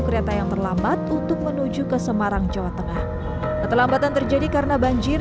kereta yang terlambat untuk menuju ke semarang jawa tengah keterlambatan terjadi karena banjir